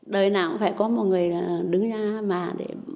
đời nào cũng phải có một người đứng ra mà để làm